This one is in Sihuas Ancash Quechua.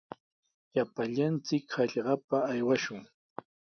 Llapallanchik hallpapa aywashun.